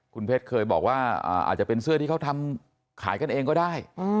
คุณเพชรเคยบอกว่าอาจจะเป็นเสื้อที่เขาทำขายกันเองก็ได้